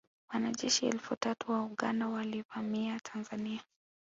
Wanajeshi elfu tatu wa Uganda walivamia Tanzania